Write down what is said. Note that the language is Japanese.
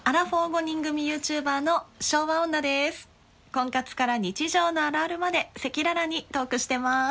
婚活から日常のあるあるまで赤裸々にトークしてます。